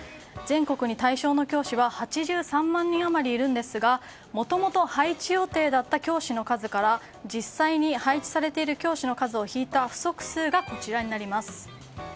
全国に対象の教師は８３万人余りいるんですがもともと配置予定だった教師の数から実際に配置されている教師の数を引いた不足数がこちらです。